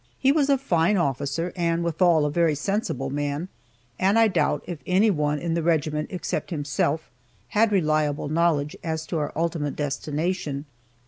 He was a fine officer, and, withal, a very sensible man, and I doubt if any one in the regiment except himself had reliable knowledge as to our ultimate destination.